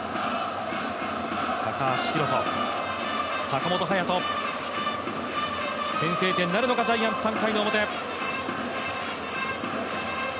高橋宏斗、坂本勇人、先制点なるのかジャイアンツ、３回の表。